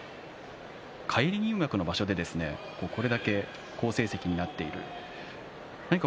返り入幕の場所でこれだけ好成績になっている。